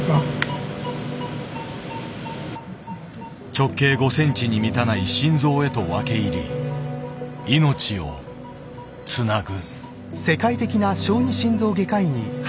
直径５センチに満たない心臓へと分け入り命をつなぐ。